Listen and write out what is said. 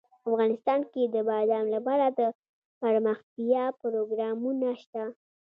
افغانستان کې د بادام لپاره دپرمختیا پروګرامونه شته.